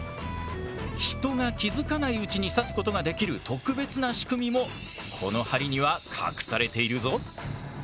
人が気付かないうちに刺すことができる特別な仕組みもこの針には隠されているぞ。